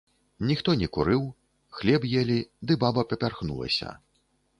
Ніхто не курыў, хлеб елі, ды баба папярхнулася.